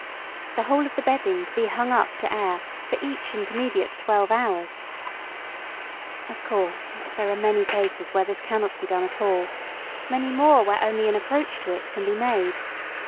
The whole of the bedding to be hung up to air for each intermediate twelve hours. Of course there are many cases where this cannot be done at all many more where only an approach to it can be made.